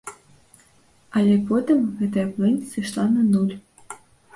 Але потым гэтая плынь сышла на нуль.